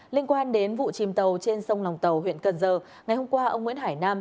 liên quan đến vụ chìm tàu trên sông lòng tàu huyện cần giờ ngày hôm qua ông nguyễn hải nam